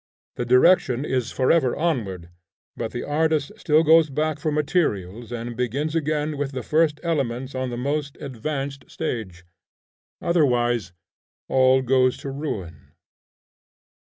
The direction is forever onward, but the artist still goes back for materials and begins again with the first elements on the most advanced stage: otherwise all goes to ruin.